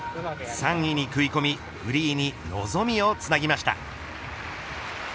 ３位に食い込みフリーに望みをつなぎました。